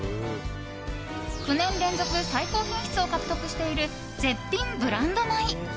９年連続最高品質を獲得している絶品ブランド米。